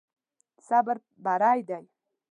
صبر بری دی.